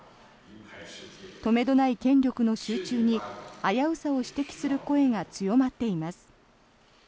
止めどない権力の集中に危うさを指摘する声が強まっています。